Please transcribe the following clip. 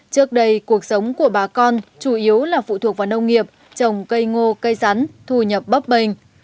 trước đây cuộc sống của bà con chủ yếu là phụ thuộc vào nông nghiệp trồng cây ngô cây rắn thu nhập bấp bềnh